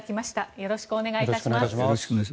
よろしくお願いします。